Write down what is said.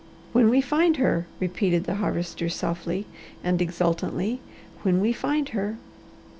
"When we find her," repeated the Harvester softly and exultantly. "When we find her!"